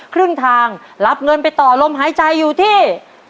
ครึ่งทางรับเงินไปต่อลมหายใจอยู่ที่